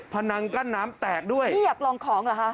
นังกั้นน้ำแตกด้วยนี่อยากลองของเหรอฮะ